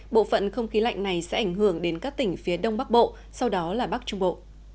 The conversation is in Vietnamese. bộ phận không khí lạnh này sẽ ảnh hưởng đến các tỉnh phía đông bắc bộ sau đó là bắc trung bộ